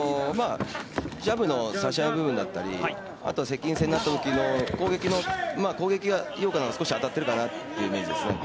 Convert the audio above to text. ジャブの差し合い部分だったりあとは接近戦になったときの攻撃が井岡の方が少し当たっているかなというイメージですね。